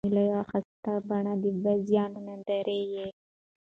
د مېلو یوه ښایسته بڼه د بازيو نندارې يي.